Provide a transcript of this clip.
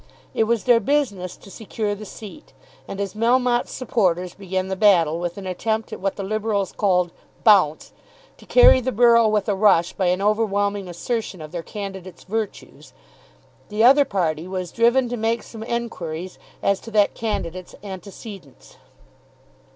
It was their business to secure the seat. And as Melmotte's supporters began the battle with an attempt at what the Liberals called "bounce," to carry the borough with a rush by an overwhelming assertion of their candidate's virtues, the other party was driven to make some enquiries as to that candidate's antecedents.